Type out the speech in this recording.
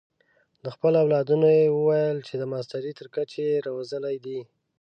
د خپلو اولادونو یې وویل چې د ماسټرۍ تر کچې یې روزلي دي.